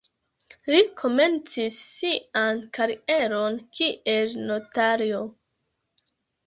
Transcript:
Li komencis sian karieron kiel notario.